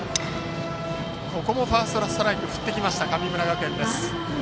ここもファーストストライクから振ってきた神村学園。